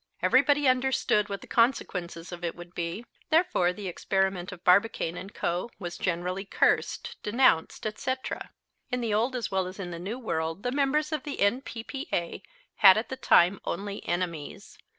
Everybody understood what the consequences of it would be. Therefore the experiment of Barbicane & Co. was generally cursed, denounced, etc. In the Old as well as in the New World the members of the N.P.P.A. had at the time only enemies.